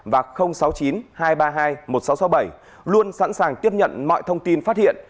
và sáu mươi chín hai trăm ba mươi hai một nghìn sáu trăm sáu mươi bảy luôn sẵn sàng tiếp nhận mọi thông tin phát hiện